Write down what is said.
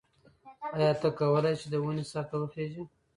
ایا ته کولای شې چې د ونې سر ته وخیژې؟